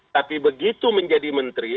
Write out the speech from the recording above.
tapi begitu menjadi menteri